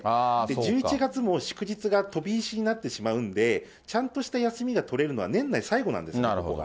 １１月も祝日が飛び石になってしまうんで、ちゃんとした休みが取れるのは年内最後なんです、ここが。